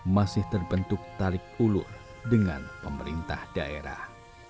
masih terbentuk tarik ulur dengan pemerintah daerah